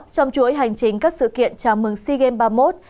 trong chuỗi hành trình các sự kiện chào mừng sea games ba mươi một